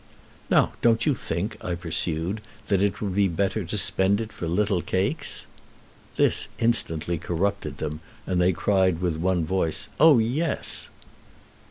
"Now don't you think," I pursued, "that it would be better to spend it for little cakes?" This instantly corrupted them, and they cried with one voice, "Oh yes!"